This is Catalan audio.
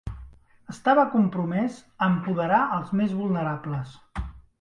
Estava compromès a empoderar als més vulnerables.